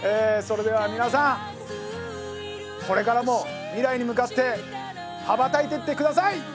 それでは皆さんこれからも未来に向かって羽ばたいてって下さい！